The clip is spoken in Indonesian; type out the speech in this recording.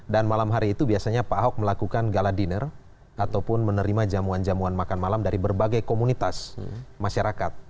dan malam hari itu biasanya pak ahok melakukan gala dinner ataupun menerima jamuan jamuan makan malam dari berbagai komunitas masyarakat